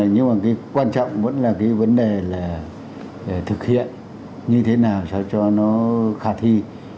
nhưng mà cái quan trọng vẫn là cái vấn đề là thực hiện như thế nào sao cho nó khả thi